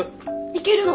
いけるの？